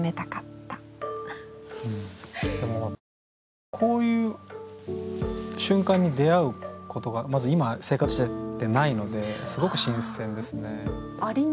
でも何か公園でこういう瞬間に出会うことがまず今生活しててないのですごく新鮮ですね。